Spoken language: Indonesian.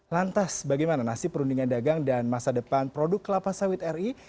lantas bagaimana nasib perundingan dagang dan masa depan produk kelapa sawit ri